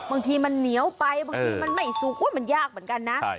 บางทีมันเหนียวไปบางทีมันไม่สุกมันยากเหมือนกันนะ